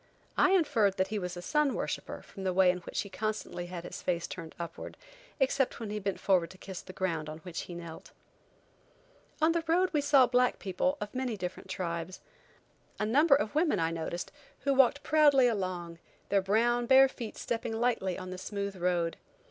I inferred that he was a sun worshipper from the way in which he constantly had his face turned upward, except when he bent forward to kiss the ground on which he knelt. On the road we saw black people of many different tribes. A number of women I noticed, who walked proudly along, their brown, bare feet stepping lightly on the smooth road.